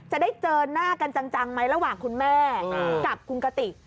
จะได้เจอหน้ากันจังไหมระหว่างคุณแม่กับคุณกติก